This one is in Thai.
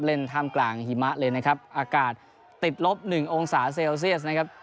ท่ามกลางหิมะเลยนะครับอากาศติดลบหนึ่งองศาเซลเซียสนะครับ